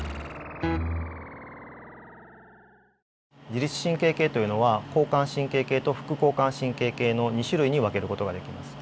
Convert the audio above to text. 自律神経系というのは交感神経系と副交感神経系の２種類に分ける事ができます。